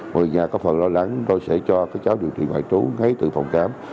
ngồi nhà có phần lo lắng tôi sẽ cho các cháu điều trị ngoại trú ngay từ phòng khám